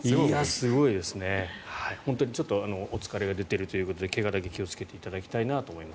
ちょっとお疲れが出てるということで怪我だけ気をつけてもらいたいなと思います。